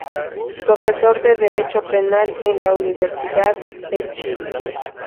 Profesor de Derecho Penal en la Universidad de Chile.